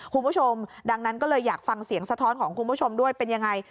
คุณผู้ชมดังนั้นก็เลยอยากฟังเสียงสะท้อนของคุณผู้ชมด้วยเป็นยังไง